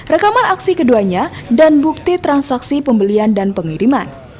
rekaman aksi keduanya dan bukti transaksi pembelian dan pengiriman